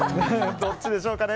どっちでしょうかね。